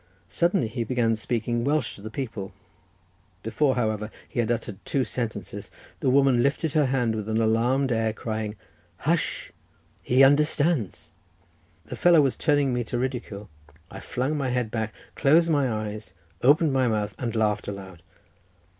Suddenly he began speaking Welsh to the people; before, however, he had uttered two sentences, the woman lifted her hands with an alarmed air, crying "Hush! he understands." The fellow was turning me to ridicule. I flung my head back, closed my eyes, opened my mouth, and laughed aloud.